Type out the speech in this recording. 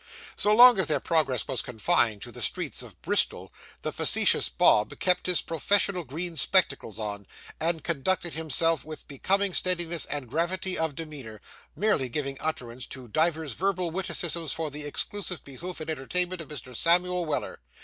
So long as their progress was confined to the streets of Bristol, the facetious Bob kept his professional green spectacles on, and conducted himself with becoming steadiness and gravity of demeanour; merely giving utterance to divers verbal witticisms for the exclusive behoof and entertainment of Mr. Samuel Weller.